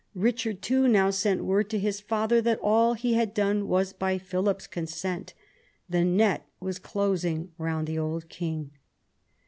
Eichard too now sent word to his father that all he had done was by Philip's consent. The net was closing round the old king.